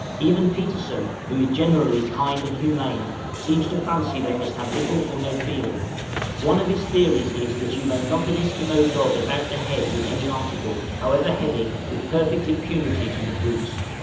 Even Petersen, who is generally kind and humane, seems to fancy they must have little or no feeling: one of his theories is, that you may knock an Esquimaux dog about the head with any article, however heavy, with perfect impunity to the brutes.